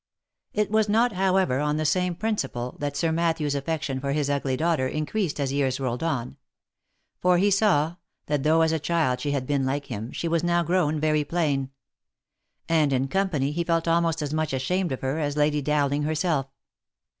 It was not, however, on the same principle, that Sir Matthew's affection for his ugly daughter increased as years rolled on ; for he saw, that though as a child she had been like him, she was now grown very plain : and, in company, he felt almost as much ashamed of her, as Lady Dowling herself.